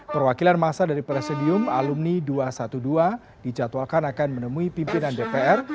perwakilan masa dari presidium alumni dua ratus dua belas dijadwalkan akan menemui pimpinan dpr